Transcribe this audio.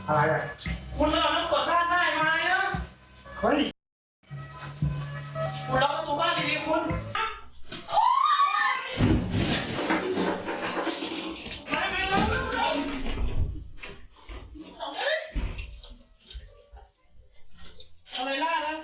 อ่าตัวตัวไปตัวไป